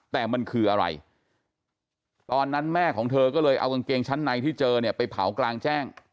แต่มันคืออะไรตอนนั้นแม่ของเธอก็เลยเอากางเกงชั้นในที่เจอเนี่ยไปเผากลางแจ้ง